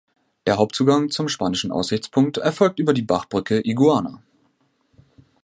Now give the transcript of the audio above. Der Hauptzugang zum spanischen Aussichtspunkt erfolgt über die Bachbrücke Iguana.